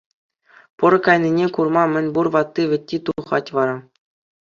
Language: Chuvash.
Пӑр кайнине курма мӗнпур ватти-вӗтти тухать вара.